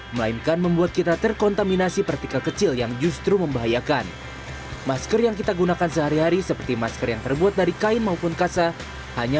masker yang terbuat dari kain maupun kasa